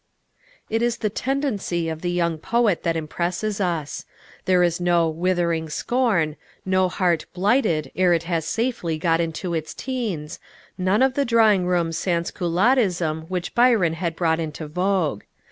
It is the tendency of the young poet that impresses us. Here is no "withering scorn," no heart "blighted" ere it has safely got into its teens, none of the drawing room sansculottism which Byron had brought into vogue.